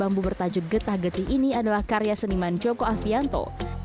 bambu bertajuk getah getih ini adalah karya seniman joko afianto